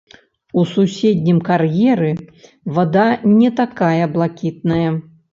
У суседнім кар'еры вада не такая блакітная.